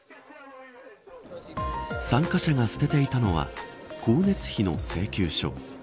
参加者が捨てていたのは光熱費の請求書。